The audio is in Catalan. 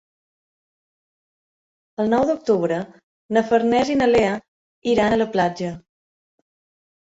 El nou d'octubre na Farners i na Lea iran a la platja.